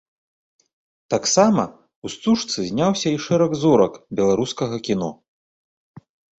Таксама ў стужцы зняўся і шэраг зорак беларускага кіно.